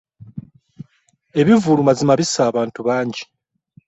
Ebivvulu mazima bisse abantu bangi.